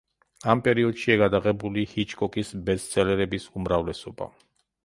ამ პერიოდშია გადაღებული ჰიჩკოკის ბესტსელერების უმრავლესობა.